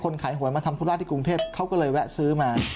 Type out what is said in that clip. ขายหวยมาทำธุระที่กรุงเทพเขาก็เลยแวะซื้อมา